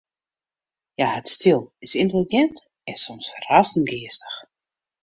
Hja hat styl, is yntelligint en soms ferrassend geastich.